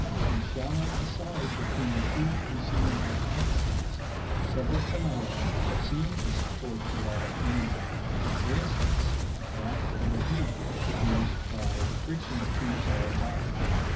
We shall not decide between the two preceding hypotheses; several phenomena seem to support the last mentioned for instance, that of the heat produced by the friction of two solid bodies.